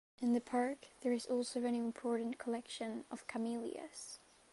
In the park there is also an important collection of Camellias.